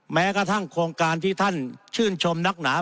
แม้กระทั่งโครงการที่ท่านชื่นชมนักหนา